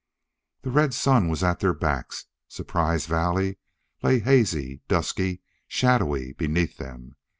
The red sun was at their backs. Surprise Valley lay hazy, dusky, shadowy beneath them.